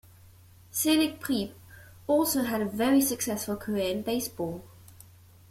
Selig-Prieb also had a very successful career in Baseball.